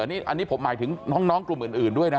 อันนี้ผมหมายถึงน้องกลุ่มอื่นด้วยนะ